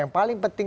yang lebih penting